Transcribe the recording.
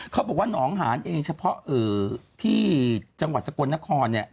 เขาบอกว่าหนองหานเองเฉพาะที่จังหวัดสกลนครเนี่ย